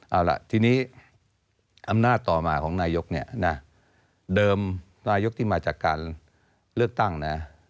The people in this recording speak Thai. เอาล่ะทีนี้อำนาจต่อมาของนายกเนี่ยนะเดิมนายกที่มาจากการเลือกตั้งนะ